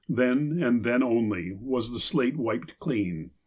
Then, and then only, was the slate wiped clean.